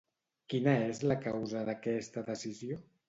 Quina és la causa d'aquesta decisió?